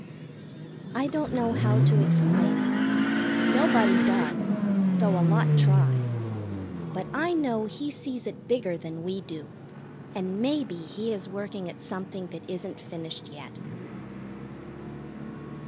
I don't know how to explain it. Nobody does, though a lot try. But I know He sees it bigger than we do, and maybe He is working at something that isn't finished yet.